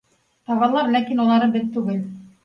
— Табалар, ләкин улары беҙ түгел